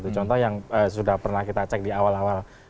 contoh yang sudah pernah kita cek di awal awal